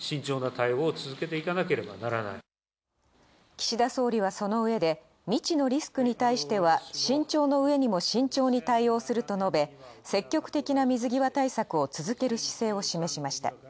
岸田総理はその上で、「未知のリスクに関しては慎重の上にも慎重に対応する」と述べ、積極的な水際対策を続ける姿勢を示しました。